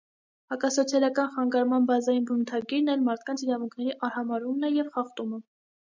Հակասոցիալական խանգարման բազային բնութագիրն այլ մարդկանց իրավունքների արհամարհումն է և խախտումը։